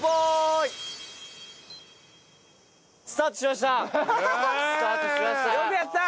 スタートしました！